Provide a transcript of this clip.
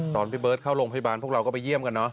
พี่เบิร์ตเข้าโรงพยาบาลพวกเราก็ไปเยี่ยมกันเนอ